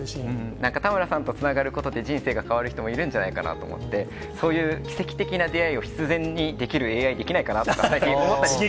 なんか田村さんとつながることで、人生が変わる人もいるんじゃないかなと思って、そういう出会いを必然にできるＡＩ、出来ないかなって思ったり。